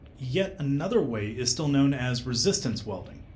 Yet another way still is known as "resistance" welding.